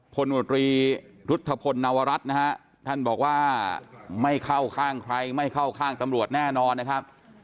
พลวตรีรุธพลนวรัฐนะฮะท่านบอกว่าไม่เข้าข้างใครไม่เข้าข้างตำรวจแน่นอนนะครับ